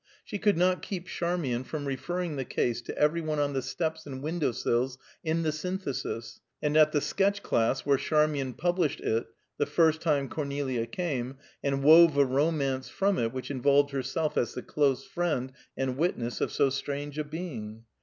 She could not keep Charmian from referring the case to every one on the steps and window sills in the Synthesis, and at the sketch class, where Charmian published it the first time Cornelia came, and wove a romance from it which involved herself as the close friend and witness of so strange a being.